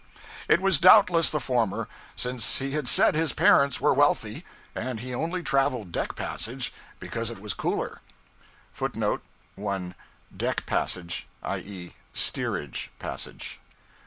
It was doubtless the former, since he had said his parents were wealthy, and he only traveled deck passage because it was cooler.{footnote [1. 'Deck' Passage, i.e. steerage passage.